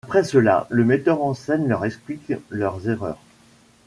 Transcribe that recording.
Après cela le metteur en scène leur explique leurs erreurs.